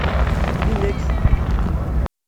I nekk?